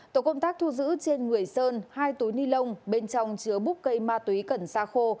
tổ công tác thu giữ trên người sơn hai túi ni lông bên trong chứa búp cây ma túy cần xa khô